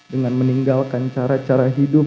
dengan meninggalkan cara cara hidup